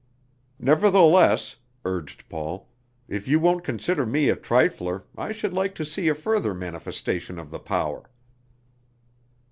"Nevertheless," urged Paul, "if you won't consider me a trifler, I should like to see a further manifestation of the power."